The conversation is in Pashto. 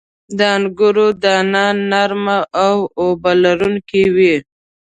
• د انګورو دانه نرمه او اوبه لرونکې وي.